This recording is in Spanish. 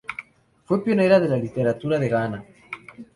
Fue pionera de la literatura de Ghana.